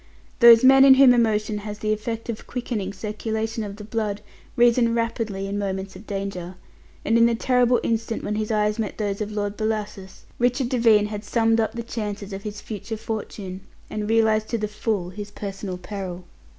Those men in whom emotion has the effect of quickening circulation of the blood reason rapidly in moments of danger, and in the terrible instant when his eyes met those of Lord Bellasis, Richard Devine had summed up the chances of his future fortune, and realized to the full his personal peril.